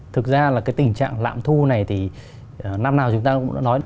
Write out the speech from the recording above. thực ra là cái tình trạng lạm thu này thì năm nào chúng ta cũng đã nói